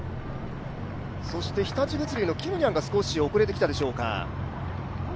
日立物流のキムニャンが少し遅れてきたでしょうか。